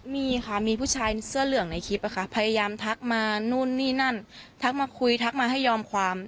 มีค่ะมีผู้ชายเสื้อเหลืองในคลิปอะค่ะพยายามทักมานู่นนี่นั่นทักมาคุยทักมาให้ยอมความ